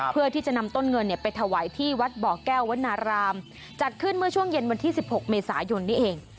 เพื่อที่จะนำต้นเงินเนี่ยไปถวายที่วัดบ่อแก้ววนารามจัดขึ้นเมื่อช่วงเย็นวันที่๑๖เมษายนนี่เอง